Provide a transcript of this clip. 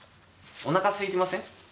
おなかすいてません？